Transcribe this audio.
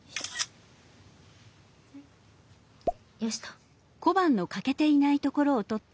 よしと。